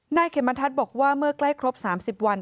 เขมรทัศน์บอกว่าเมื่อใกล้ครบ๓๐วัน